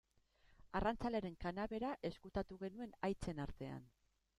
Arrantzalearen kanabera ezkutatu genuen haitzen artean.